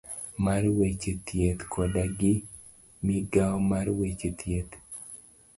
mar weche thieth koda gi migawo mar weche thieth.